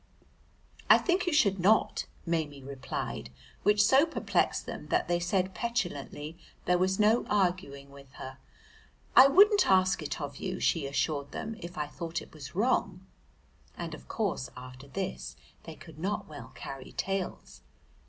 "I think you should not," Maimie replied, which so perplexed them that they said petulantly there was no arguing with her. "I wouldn't ask it of you," she assured them, "if I thought it was wrong," and of course after this they could not well carry tales.